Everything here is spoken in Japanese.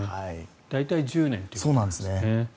大体１０年ということなんですね。